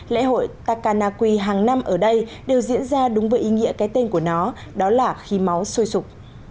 lễ hội takanaqui hàng năm ở đây đều diễn ra đúng với ý nghĩa cái tên của nó đó là khí máu sôi sụp